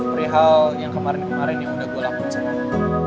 perihal yang kemarin kemarin yang udah gue lakuin sama lo